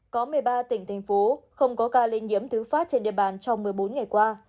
có một mươi ba tỉnh thành phố không có ca lây nhiễm thứ phát trên địa bàn trong một mươi bốn ngày qua